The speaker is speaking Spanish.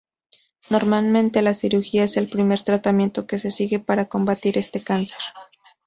Normalmente la cirugía es el primer tratamiento que se sigue para combatir este cáncer.